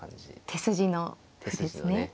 手筋の歩ですね。